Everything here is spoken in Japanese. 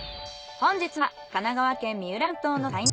本日は神奈川県三浦半島の最南端。